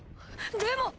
でも！